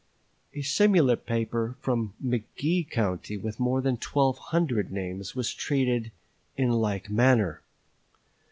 A similar paper from McGee County with more than 1200 names was treated in like manner.